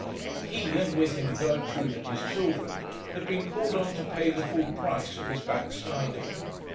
He, and with him Gertrude and his children, had been called on to pay the full price of his backsliding.